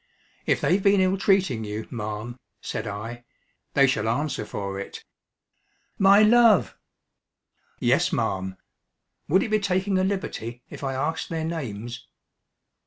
"If they've been ill treating you, ma'am," said I, "they shall answer for it." "My love!" "Yes, ma'am. Would it be taking a liberty if I asked their names?"